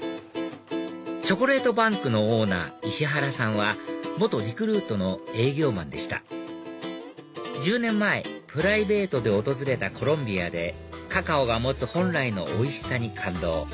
ＣＨＯＣＯＬＡＴＥＢＡＮＫのオーナー石原さんは元リクルートの営業マンでした１０年前プライベートで訪れたコロンビアでカカオが持つ本来のおいしさに感動